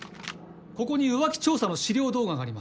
ここに浮気調査の資料動画があります。